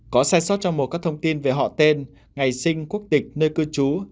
có sai sót trong mùa các thông tin về họ tên ngày sinh quốc tịch nơi cư trú